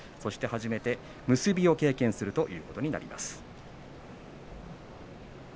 初めて結びを経験するということになります。